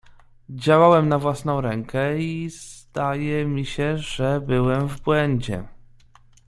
"Działałem na własną rękę i zdaje mi się, że byłem w błędzie."